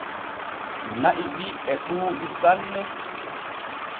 Na’i ɗi e ɗuuɗɗi sanne.